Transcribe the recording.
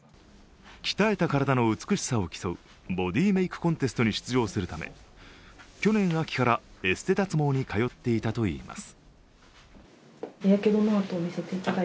鍛えた体の美しさを競うボディメイクコンテストに出場するため去年秋からエステ脱毛に通っていたといいます。